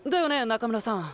中村さん。